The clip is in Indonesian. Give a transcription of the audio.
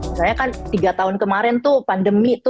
misalnya kan tiga tahun kemarin tuh pandemi tuh